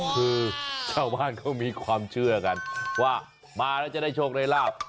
คือชาวบ้านเขามีความเชื่อกันว่ามาแล้วจะได้โชคได้ลาบ